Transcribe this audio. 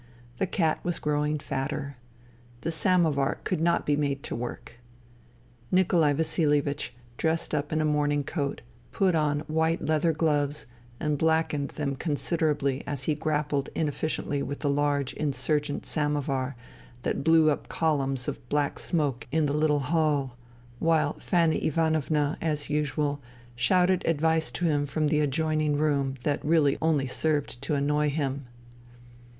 The cat was growing fatter. The samovar could not be made to work. Nikolai Vasilievich, dressed up in a morning coat, put on white leather gloves and blackened them considerably as he grappled inefficiently with the large insurgent samovar that blew up columns of black smoke in the little hall ; while Fanny Ivanovna, as usual, shouted advice to him from the adjoining room that really only served to annoy him.